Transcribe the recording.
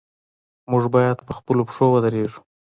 موږ باید په خپلو پښو ودریږو.